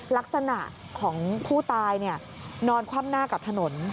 ลักษณะของผู้ตายนอนคว่ำหน้ากับถนน